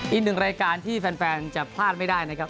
อีกหนึ่งรายการที่แฟนจะพลาดไม่ได้นะครับ